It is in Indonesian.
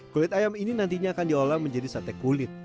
kulit ayam ini nantinya akan diolah menjadi sate kulit